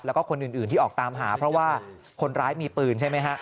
แล้วก็คนอื่นที่ออกตามหาเพราะว่าคนร้ายมีปืนใช่ไหมฮะ